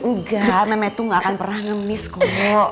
nggak memet tuh nggak akan pernah ngemis kok